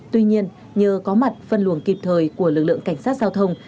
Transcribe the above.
tuy nhiên nhờ có mặt phân luồng kịp thời của lực lượng cảnh sát giao thông